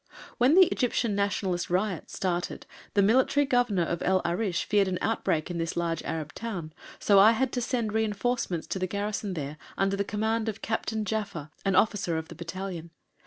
When the Egyptian Nationalist riots started the Military Governor of El Arish feared an outbreak in this large Arab town, so I had to send reinforcements to the garrison there under the command of Captain Jaffe, an officer of the battalion.